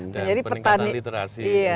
dan peningkatan literasi